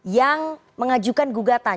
yang mengajukan gugatan